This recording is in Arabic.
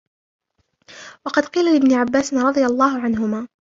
وَقَدْ قِيلَ لِابْنِ عَبَّاسٍ رَضِيَ اللَّهُ عَنْهُمَا